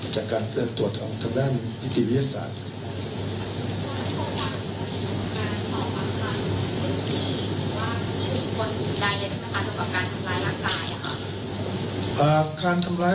จากการตรวจของทางด้านนิติวิทยาศาสตร์